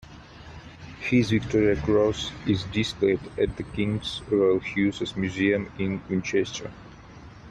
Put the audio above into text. His Victoria Cross is displayed at The King's Royal Hussars Museum in Winchester.